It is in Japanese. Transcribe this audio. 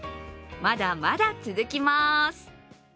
まだまだ続きます。